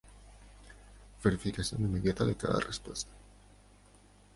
Verificación inmediata de cada respuesta.